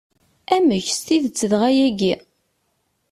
Amek s tidett dɣa ayagi?